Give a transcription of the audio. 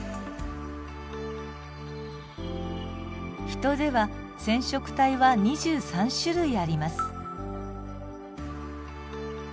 ヒトでは染色体は２３種類あります。